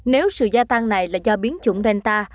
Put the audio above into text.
nếu sự gia tăng này là do biến chủng delta